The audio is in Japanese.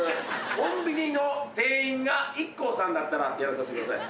コンビニの店員がＩＫＫＯさんだったらやらさしてください